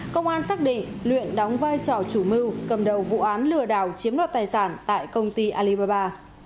công an xác định luyện đóng vai trò chủ mưu cầm đầu vụ án lừa đảo chiếm đoạt tài sản tại công ty alibaba